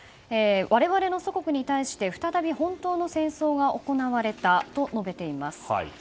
我々の祖国に対して再び本当の戦争が行われたと述べています。